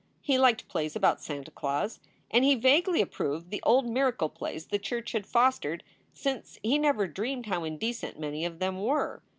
He liked plays about Santa Claus, and he vaguely approved the old miracle plays the Church had fostered, since he never dreamed how indecent many of them were.